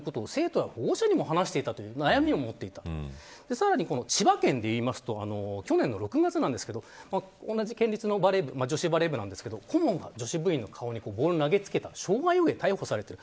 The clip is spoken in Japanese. さらに千葉県でいうと去年の６月なんですが同じ県立の女子バレー部なんですが顧問が女子部員の顔にボールを投げつけ傷害容疑で逮捕されている。